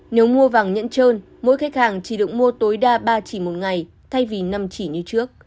nếu mua vàng nhẫn trơn mỗi khách hàng chỉ được mua tối đa ba chỉ một ngày thay vì năm chỉ như trước